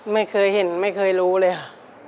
ไม่เคยเห็นไม่เคยรู้เลยค่ะ